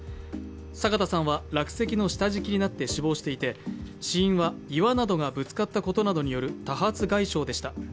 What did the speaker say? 酒田さんは落石の下敷きになって死亡していて、死因は岩などがぶつかったことなどによる多発外傷でした。